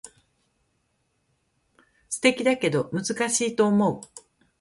素敵だけど難しいと思う